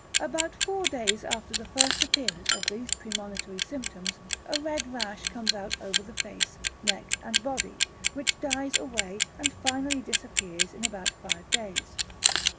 About four days after the first appearance of these premonitory symptoms, a red rash comes out over the face, neck, and body, which dies away, and finally disappears in about five days.